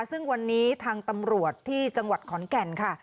ซึ่งวันนี้ทางตำรวจที่จังหวัดขอนแก่นค่ะ